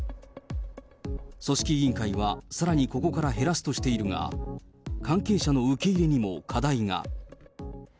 組織委員会は、さらにここから減らすとしているが、関係者の受け入れにも課題が。